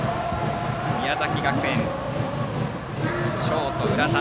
宮崎学園、ショートの浦田